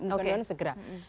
untuk menurut anda segera